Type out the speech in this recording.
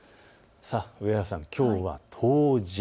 上原さん、きょうは冬至。